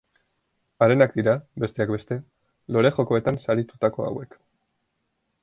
Harenak dira, besteak beste, Lore Jokoetan saritutako hauek.